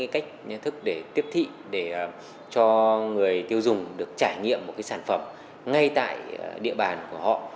cách thức để tiếp thị để cho người tiêu dùng được trải nghiệm một sản phẩm ngay tại địa bàn của họ